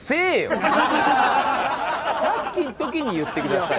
さっきの時に言ってください。